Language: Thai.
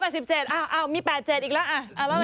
ราชภาพ๘๗โอ้โอ้มี๘๗อีกแล้ว